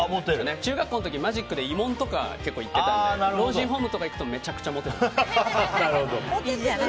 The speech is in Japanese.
中学校の時にマジックで慰問とか行ってたので老人ホームとか行くとめちゃめちゃモテました。